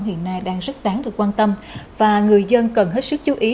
hiện nay đang rất đáng được quan tâm và người dân cần hết sức chú ý